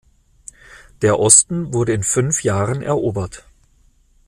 Der Osten wurde in fünf Jahren erobert.